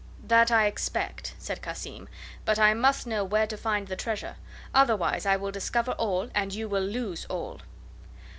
"That I expect," said Cassim; "but I must know where to find the treasure, otherwise I will discover all, and you will lose all."